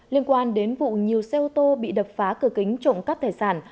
liên quan đến vụ nhiều xe ô tô bị đập phá cửa kính trộm cắp tài sản